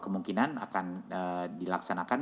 kemungkinan akan dilaksanakan